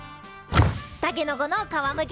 たけのこの皮むき。